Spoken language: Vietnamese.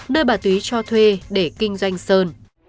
nơi bà túy cho thuê để kinh doanh sơn